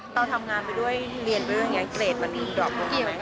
เราทำงานไปด้วยเรียนไปด้วยอย่างเงี้ยเกรดมันดรอบกว่าไหม